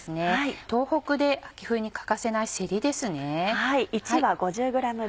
東北で秋冬に欠かせないせりですね。